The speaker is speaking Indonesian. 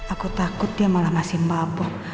aku takut dia malah masih mabor